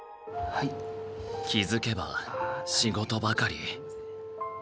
気付けば仕事ばかり。